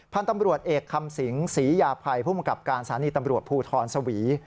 พันธุ์ตำรวจเอกคำสิงศรียาภัยผู้มกับการสถานีตำรวจภูทรสวี